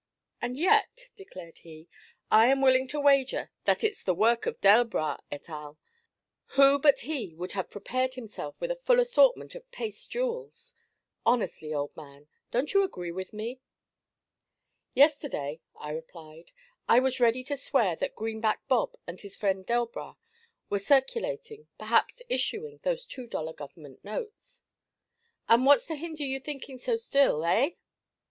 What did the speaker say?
'And yet,' declared he, 'I am willing to wager that it's the work of Delbras et al. Who but he would have prepared himself with a full assortment of paste jewels. Honestly, old man, don't you agree with me?' 'Yesterday,' I replied, 'I was ready to swear that Greenback Bob and his friend Delbras were circulating, perhaps issuing, those two dollar Government notes.' 'And what's to hinder you thinking so still, eh?'